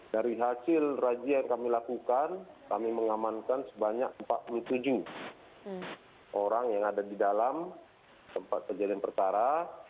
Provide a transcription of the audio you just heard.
dari hasil rajia yang kami lakukan kami mengamankan sebanyak empat puluh tujuh orang yang ada di dalam tempat kejadian perkara